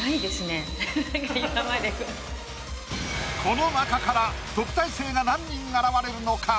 この中から特待生が何人現れるのか？